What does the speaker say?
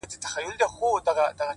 حالاتو دغه حد ته راوسته ه ياره”